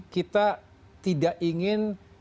kita tidak ingin